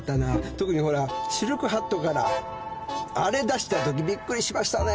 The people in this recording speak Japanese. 特にほらシルクハットからあれ出したときビックリしましたねえ。